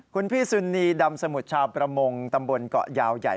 คุณพี่สุนีดำสมุทรชาวประมงตำบลเกาะยาวใหญ่